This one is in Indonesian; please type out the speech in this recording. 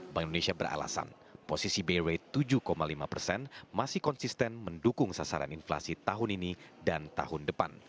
bank indonesia beralasan posisi bw tujuh lima persen masih konsisten mendukung sasaran inflasi tahun ini dan tahun depan